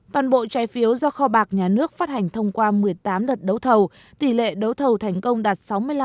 toàn bộ trái phiếu do kho bạc nhà nước phát hành thông qua một mươi tám đợt đấu thầu tỷ lệ đấu thầu thành công đạt sáu mươi năm